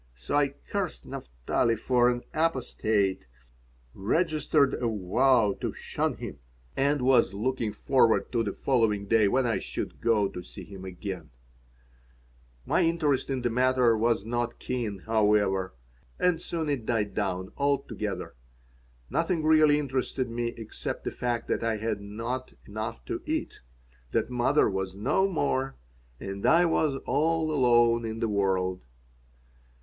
So I cursed Naphtali for an apostate, registered a vow to shun him, and was looking forward to the following day when I should go to see him again My interest in the matter was not keen, however, and soon it died down altogether. Nothing really interested me except the fact that I had not enough to eat, that mother was no more, that I was all alone in the world.